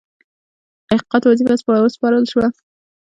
تحقیقاتو وظیفه وسپارله شوه.